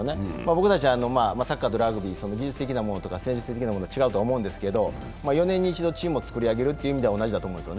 僕たち、サッカーとラグビー、技術的なものとか戦術的なものは違うと思うんですけれども、４年に一度チームを作り上げるというのは同じだと思うんです。